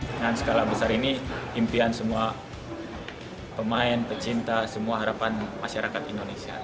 dengan skala besar ini impian semua pemain pecinta semua harapan masyarakat indonesia